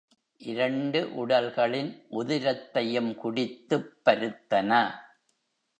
இரண்டு உடல்களின் உதிரத்தையும் குடித்துப் பருத்தன.